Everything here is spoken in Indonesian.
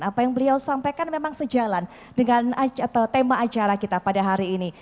apa yang beliau sampaikan memang sejalan dengan atau tema acara kita pada hari ini